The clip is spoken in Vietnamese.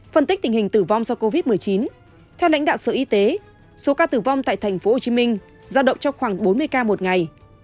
phân tích tình hình tử vong do covid một mươi chín theo lãnh đạo sở y tế số ca tử vong tại tp hcm giao động trong khoảng bốn mươi ca một ngày